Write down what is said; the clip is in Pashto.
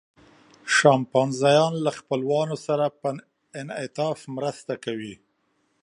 شامپانزیان له خپلوانو سره په انعطاف مرسته کوي.